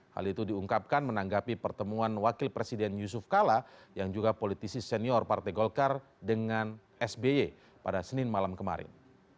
hal itu diungkapkan menanggapi pertemuan wakil presiden yusuf kala yang juga politisi senior partai golkar dengan sby pada senin malam kemarin